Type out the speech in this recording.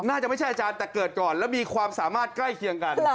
น่าจะไม่ใช่อาจารย์แต่เกิดก่อนแล้วมีความสามารถใกล้เคียงกัน